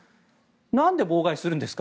なんで妨害するんですか？